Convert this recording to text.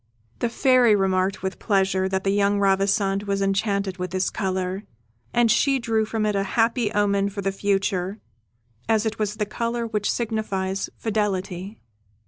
The Fairy remarked with pleasure that the young Ravissante was enchanted with this colour, and she drew from it a happy omen for the future, as it was the colour which signifies fidelity.